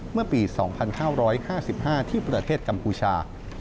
เมื่อปี๒๕๕๕ที่ประเทศกัมพูชา